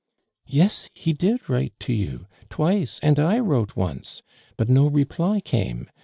"Yes, he did write to you, twice, and 1 wrote once, but no reply came.